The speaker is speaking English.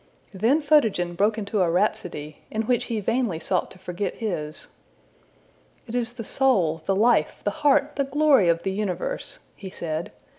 Then Photogen broke into a rhapsody, in which he vainly sought to forget his. ``It is the soul, the life, the heart, the glory of the universe,'' he said.